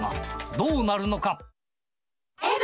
どうなるのか？